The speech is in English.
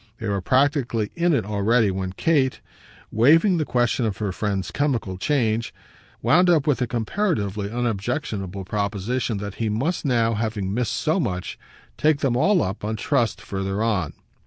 They were practically in it already when Kate, waiving the question of her friend's chemical change, wound up with the comparatively unobjectionable proposition that he must now, having missed so much, take them all up, on trust, further on.